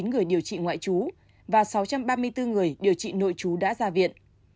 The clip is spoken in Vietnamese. ba trăm sáu mươi chín người điều trị ngoại chú và sáu trăm ba mươi bốn người điều trị nội chú đã ra viện